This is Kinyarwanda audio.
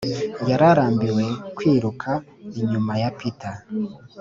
yari arambiwe kwiruka inyuma ya peter.